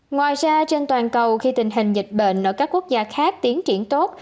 ngoài ra trên toàn cầu khi tình hình dịch bệnh ở các quốc gia khác tiến triển tốt